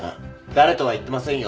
誰とは言ってませんよ。